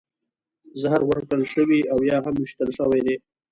زهر ورکړل شوي او یا هم ویشتل شوي دي